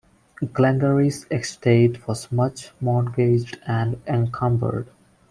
Glengarry's estate was much mortgaged and encumbered.